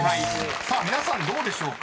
［さあ皆さんどうでしょうか？